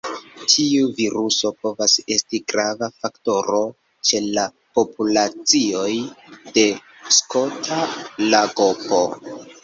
Tiu viruso povas esti grava faktoro ĉe la populacioj de Skota lagopo.